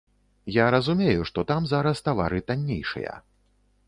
Я разумею, што там зараз тавары таннейшыя.